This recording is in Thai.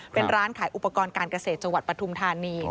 เป็นร้านขายอุปกรณ์การเกษตรจังหวัดปฐุมธานี